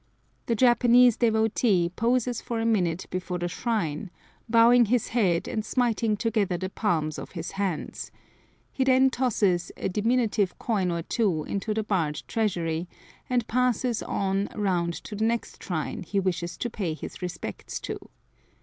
The Japanese devotee poses for a minute before the shrine, bowing his head and smiting together the palms of his hands; he then tosses a diminutive coin or two into the barred treasury, and passes on round to the next shrine he wishes to pay his respects to.